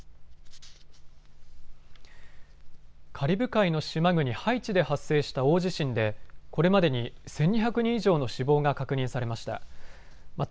カリブ海の島国ハイチで発生した大地震でこれまでに１２００人以上の死亡が確認されました。